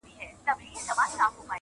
شهادت د حماقت يې پر خپل ځان كړ٫